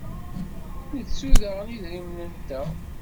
Nettu daɣen idrimen-nteɣ?